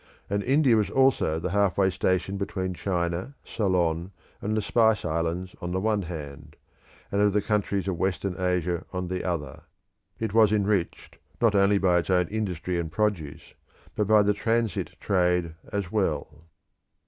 And India was also the half way station between China, Ceylon, and the Spice Islands on the one hand: and of the countries of Western Asia on the other. It was enriched not only by its own industry and produce, but by the transit trade as well.